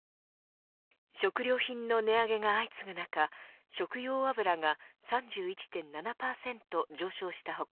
食料品の値上げが相次ぐ中食用油が３１．７％上昇した他